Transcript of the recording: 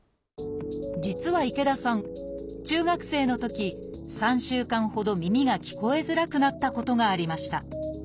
実は池田さん中学生のとき３週間ほど耳が聞こえづらくなったことがありました。